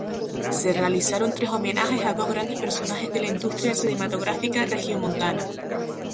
Se realizaron tres homenajes a dos grandes personajes de la industria cinematográfica regiomontana.